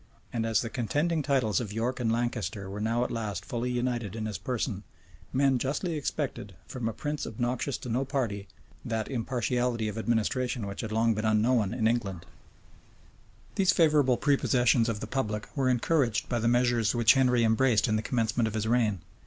And as the contending titles of York and Lancaster were now at last fully united in his person, men justly expected, from a prince obnoxious to no party, that impartiality of administration which had long been unknown in England. * T. Mori. Lucubr. p. 182. Father Paul, lib. i. These favorable prepossessions of the public were encouraged by the measures which Henry embraced in the commencement of his reign.